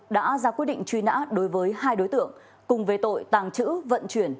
đã ra quyết định truy nã đối với hai đối tượng cùng về tội tàng trữ vận chuyển